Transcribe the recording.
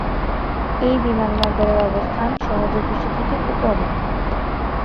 এই বিমানবন্দরের অবস্থান সমুদ্রপৃষ্ঠ থেকে উপরে।